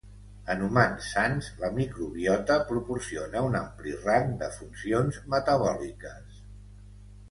En humans sans la microbiota proporciona un ampli rang de funcions metabòliques.